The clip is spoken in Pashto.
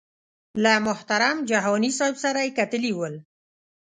له محترم جهاني صاحب سره یې کتلي ول.